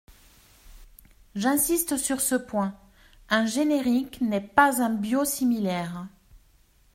J’insiste sur ce point : un générique n’est pas un biosimilaire.